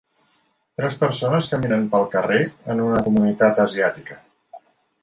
Tres persones caminen pel carrer en una comunitat asiàtica